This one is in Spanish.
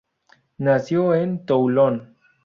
Nació en Toulon.